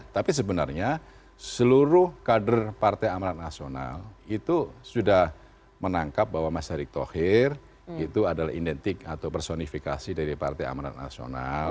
tapi sebenarnya seluruh kader partai amanat nasional itu sudah menangkap bahwa mas erick thohir itu adalah identik atau personifikasi dari partai amanat nasional